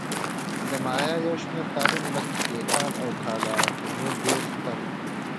د مایا یو شمېر ښارونه لکه تیکال او کالاکمول ډېر ستر وو